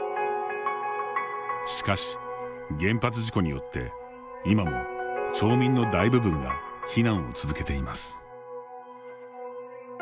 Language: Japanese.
しかし、原発事故によって今も町民の大部分が避難を続けています。